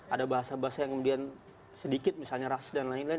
ada bahasa bahasa yang kemudian sedikit misalnya ras dan lain lain